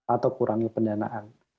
atau kurangnya pendanaan